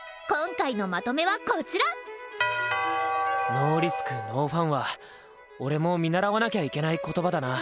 ノーリスクノーファンは俺も見習わなきゃいけない言葉だな！